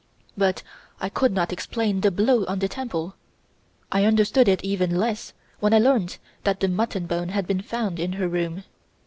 "But I could not explain the blow on the temple. I understood it even less when I learned that the mutton bone had been found in her room.